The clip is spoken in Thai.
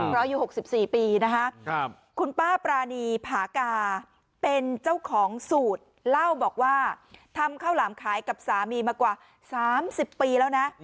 เพราะอายุ๖๔ปีนะคะคุณป้าปรานีผากาเป็นเจ้าของสูตรเล่าบอกว่าทำข้าวหลามขายกับสามีมากว่า๓๐ปีแล้วนะ